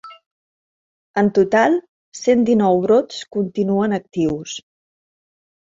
En total, cent dinou brots continuen actius.